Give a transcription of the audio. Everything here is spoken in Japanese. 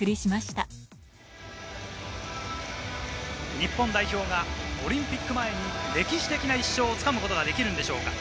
日本代表がオリンピック前に歴史的な１勝を掴むことができるのでしょうか。